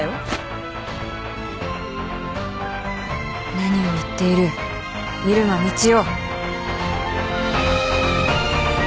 何を言っている入間みちお